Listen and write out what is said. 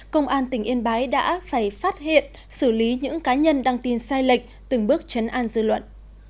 công an tỉnh yên bái đã phải phát hiện xử lý những cá nhân đăng tin sai lệch từng bước chấn an dư luận